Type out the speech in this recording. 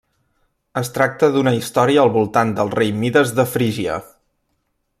Es tracta d'una història al voltant del rei Mides de Frígia.